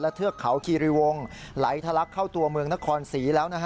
เทือกเขาคีรีวงไหลทะลักเข้าตัวเมืองนครศรีแล้วนะฮะ